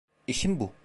İşim bu.